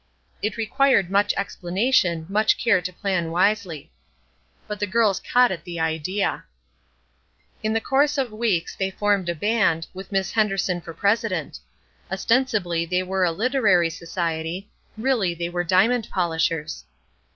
It required much explanation, much care to plan wisely. But the girls caught at the idea. In the course of weeks they formed a band, with Miss Henderson for president. Ostensibly they were a literary society; really they were diamond polishers.